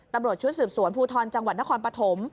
ตำรวจชุดสืบสวนภูทรจังหวัดนครปฐม